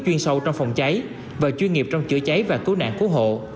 chuyên sâu trong phòng cháy và chuyên nghiệp trong chữa cháy và cứu nạn cứu hộ